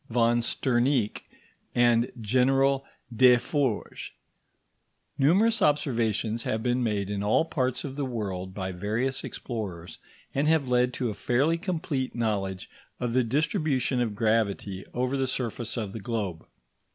von Sterneek and General Defforges. Numerous observations have been made in all parts of the world by various explorers, and have led to a fairly complete knowledge of the distribution of gravity over the surface of the globe.